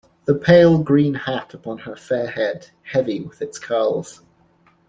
The pale-green hat upon her fair head heavy with its curls!